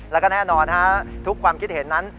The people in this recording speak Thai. แล้วก็แน่นอนทุกความคิดเห็นนั้น